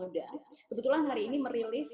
muda kebetulan hari ini merilis